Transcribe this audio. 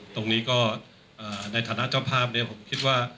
ตรงนี้ก็ในฐานะเจ้าภาพผมคิดว่า